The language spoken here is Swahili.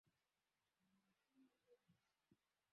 benki kuu inatoa msaada wa kiufundi kwa watumiaji